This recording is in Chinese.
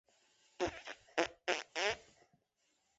双阳区是吉林省长春市下辖的一个市辖区。